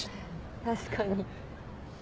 確かに。